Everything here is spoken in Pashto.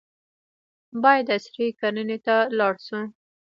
باید عصري کرنې ته لاړ شو.